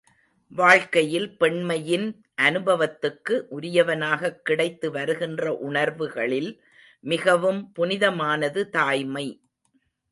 வாழ்க்கையில் பெண்மையின் அநுபவத்துக்கு உரியனவாகக் கிடைத்து வருகிற உணர்வுகளில் மிகவும் புனிதமானது தாய்மை.